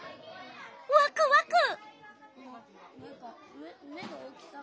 わくわく！